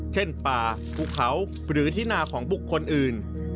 เช่นป่าภูเขาหรือที่นาของบุคคลอื่น